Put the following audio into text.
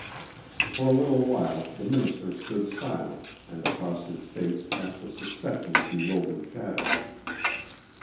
For a little while the minister stood silent and across his face passed a succession of bewildered shadows.